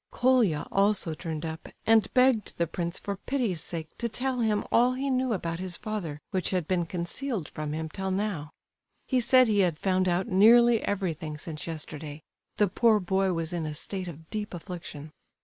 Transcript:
Colia also turned up, and begged the prince for pity's sake to tell him all he knew about his father which had been concealed from him till now. He said he had found out nearly everything since yesterday; the poor boy was in a state of deep affliction.